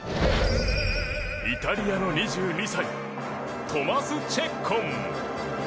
イタリアの２２歳トマス・チェッコン。